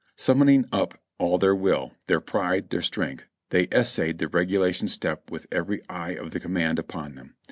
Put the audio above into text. Summing up all their will, their pride, their strength, they essayed the regulation step with every eye of the command upon them.